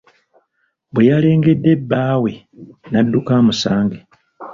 Bwe yalengedde bbaawe n'adduka amusange.